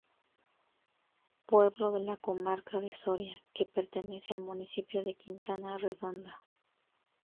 Pueblo de la Comarca de Soria que pertenece al municipio de Quintana Redonda.